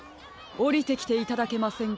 おりてきていただけませんか？